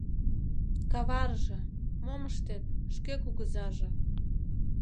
Каварыже, мом ыштет, шке кугызаже.